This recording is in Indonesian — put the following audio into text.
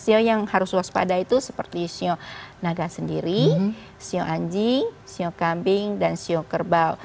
sio yang harus waspada itu seperti sio naga sendiri sio anjing sio kambing dan sio kerbau